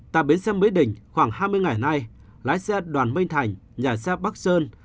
tại bến xe mỹ đình khoảng hai mươi ngày nay lái xe đoàn minh thành nhà xe bắc sơn